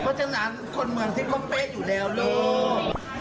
เพราะฉะนั้นคนเมืองซิบก็เป๊ะอยู่แล้วโลก